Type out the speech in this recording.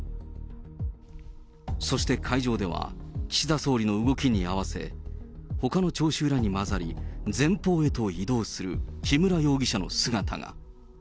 そして会場では、岸田総理の動きに合わせ、ほかの聴衆らにまざり前方へと移動する木村容疑者の姿が。